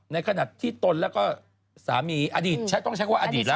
ในขณะที่ตนแล้วก็สามีอดีตใช้ต้องใช้คำว่าอดีตแล้ว